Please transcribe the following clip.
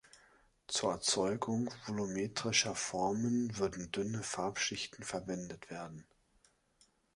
Zur Erzeugung volumetrischer Formen würden dünne Farbschichten verwendet werden.